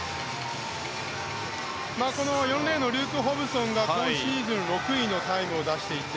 ４レーンのルーク・ホブソンが今シーズン６位のタイムを出していて。